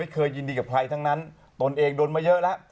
เคยยินดีกับใครทั้งนั้นตนเองโดนมาเยอะแล้ว